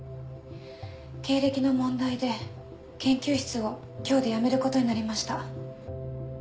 経歴の問題で研究室を今日で辞めることになりました。